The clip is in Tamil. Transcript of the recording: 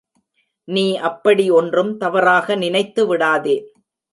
நீ அப்படி ஒன்றும் தவறாக நினைத்துவிடாதே.